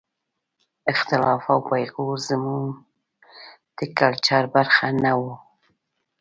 اختلاف او پېغور زموږ د کلچر برخه نه وه.